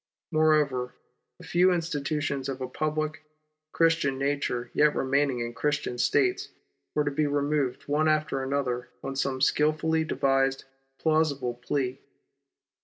Moreover, the few institutions of a public, Christian nature yet remaining in Christian States were to be removed one after another on some skilfully devised, plausible plea.